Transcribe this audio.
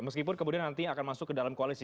meskipun kemudian nantinya akan masuk ke dalam koalisi